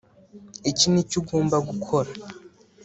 Iki nicyo ugomba gukora